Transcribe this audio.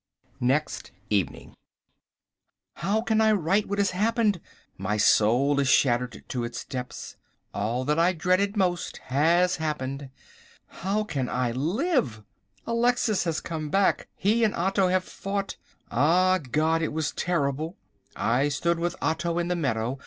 Next Evening. How can I write what has happened! My soul is shattered to its depths. All that I dreaded most has happened. How can I live! Alexis has come back. He and Otto have fought. Ah God! it has been terrible. I stood with Otto in the meadow.